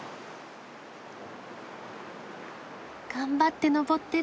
頑張って登ってる。